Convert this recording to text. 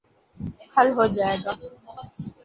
حل ہو جائے گا۔